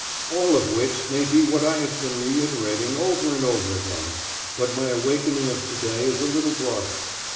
All of which may be what I have been reiterating over and over again, but my awakening of to day is a little broader.